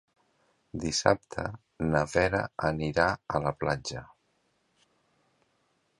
Dissabte na Vera irà a la platja.